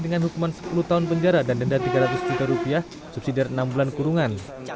dengan hukuman sepuluh tahun penjara dan denda tiga ratus juta rupiah subsidi dari enam bulan kurungan